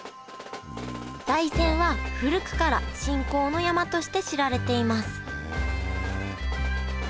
大山は古くから信仰の山として知られていますへえ！